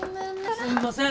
すんません